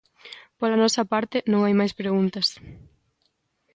Pola nosa parte, non hai máis preguntas.